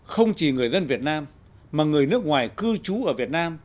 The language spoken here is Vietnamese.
không chỉ người dân việt nam mà người nước ngoài cư trú ở việt nam